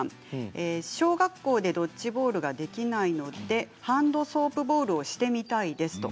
小学校でドッジボールができないのでハンドソープボールをしてみたいです。